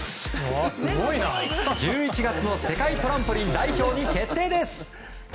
１１月の世界トランポリン代表に決定です。